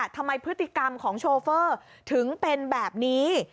ทำไมพฤติกรรมของโชเฟอร์ถึงเป็นแบบนี้